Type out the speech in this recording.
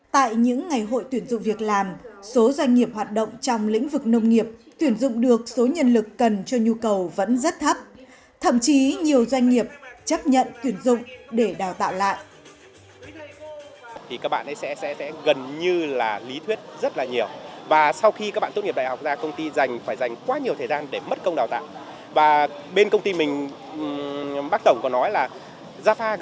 tại những ngày hội tuyển dụng việc làm số doanh nghiệp hoạt động trong lĩnh vực nông nghiệp tuyển dụng được số nhân lực cần cho nhu cầu vẫn rất thấp